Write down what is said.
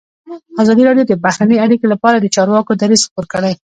ازادي راډیو د بهرنۍ اړیکې لپاره د چارواکو دریځ خپور کړی.